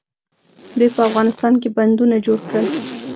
دوی په افغانستان کې بندونه جوړ کړل.